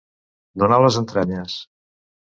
Donar les entranyes.